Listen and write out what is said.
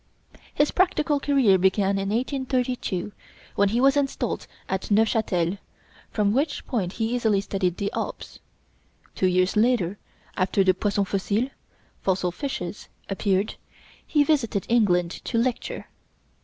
His practical career began in 1832, when he was installed at Neufchâtel, from which point he easily studied the Alps. Two years later, after the 'Poissons fossiles' (Fossil Fishes) appeared, he visited England to lecture.